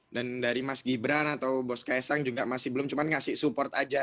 dan dari mas gibran atau bos ksang juga masih belum cuma ngasih support aja